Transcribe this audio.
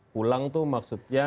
pulang tuh maksudnya